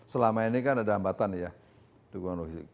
selama ini kan ada hambatan ya dukungan logistik